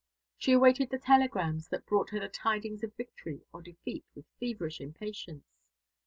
She awaited the telegrams that brought her the tidings of victory or defeat with feverish impatience.